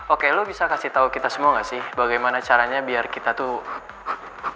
oke lo bisa kasih tahu kita semua gak sih bagaimana caranya biar kita tuh